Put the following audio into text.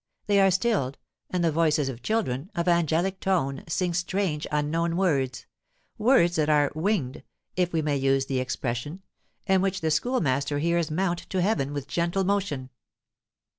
They are stilled, and the voices of children, of angelic tone, sing strange, unknown words words that are "winged" (if we may use the expression), and which the Schoolmaster hears mount to heaven with gentle motion.